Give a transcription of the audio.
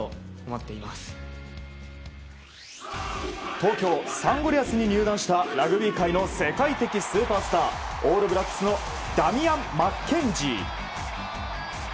東京サンゴリアスに入団したラグビー界の世界的スーパースターオールブラックスのダミアン・マッケンジー。